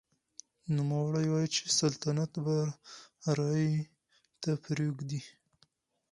نوموړي وايي چې سلطنت به رایې ته پرېږدي.